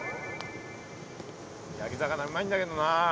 焼き魚うまいんだけどな。